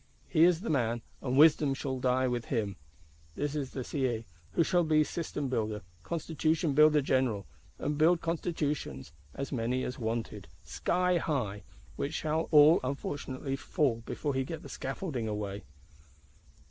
He is the man, and wisdom shall die with him. This is the Sieyes who shall be System builder, Constitution builder General; and build Constitutions (as many as wanted) skyhigh,—which shall all unfortunately fall before he get the scaffolding away.